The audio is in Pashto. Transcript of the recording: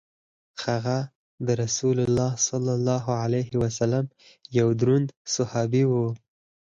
هغه د رسول کریم صلی الله علیه وسلم یو دروند صحابي وو.